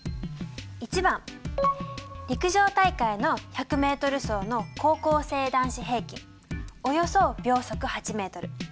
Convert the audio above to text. ①番陸上大会の１００ｍ走の高校生男子平均およそ秒速８ｍ。